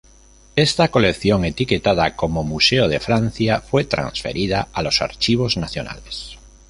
Esta colección, etiquetada como "Museo de Francia", fue transferida a los Archivos nacionales.